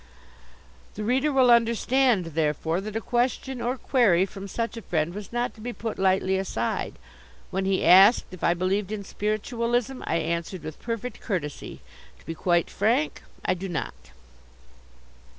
The reader will understand, therefore, that a question, or query, from such a Friend was not to be put lightly aside. When he asked if I believed in Spiritualism I answered with perfect courtesy: "To be quite frank, I do not."